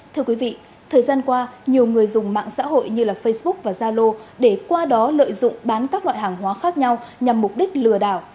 thưa quý vị thời gian qua nhiều người dùng mạng xã hội như facebook và zalo để qua đó lợi dụng bán các loại hàng hóa khác nhau nhằm mục đích lừa đảo